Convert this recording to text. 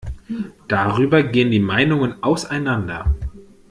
Darüber gehen die Meinungen auseinander.